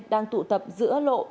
đang tụ tập giữa lộ